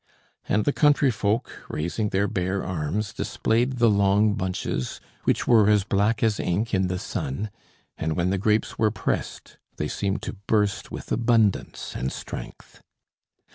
And the countryfolk, raising their bare arms, displayed the long bunches, which were as black as ink, in the sun; and when the grapes were pressed they seemed to burst with abundance and strength.